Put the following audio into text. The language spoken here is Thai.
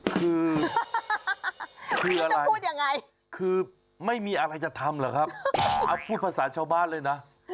คือคืออะไรคือไม่มีอะไรจะทำเหรอครับพูดภาษาชาวบ้านเลยนะ